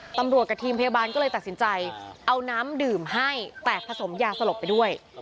กับทีมพยาบาลก็เลยตัดสินใจเอาน้ำดื่มให้แต่ผสมยาสลบไปด้วย